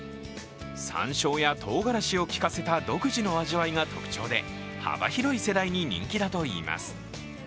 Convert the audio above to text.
さんしょうやとうがらしをきかせた独自の味わいが特徴で幅広い世代に人気だといいます。